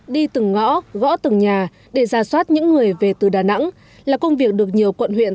đi từng ngõ gõ từng nhà để ra soát những người về từ đà nẵng là công việc được nhiều quận huyện